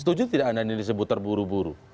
setuju tidak ada yang disebut terburu buru